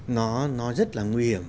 nó rất là nguy hiểm